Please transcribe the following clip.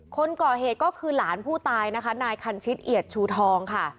คนก่อเหตุก็คือหลานผู้ตายนะคะนายคันชิดเอียดชูทองค่ะ